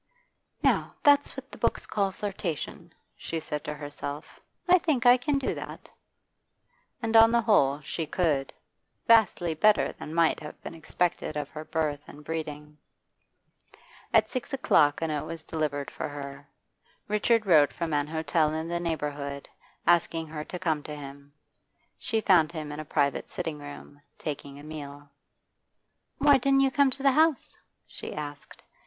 'Now, that's what the books call flirtation,' she said to herself. 'I think I can do that.' And on the whole she could, vastly better than might have been expected of her birth and breeding. At six o'clock a note was delivered for her. Richard wrote from an hotel in the neighbourhood, asking her to come to him. She found him in a private sitting room, taking a meal. 'Why didn't you come to the house?' she asked.